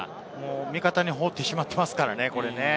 味方に放ってしまっていますからね。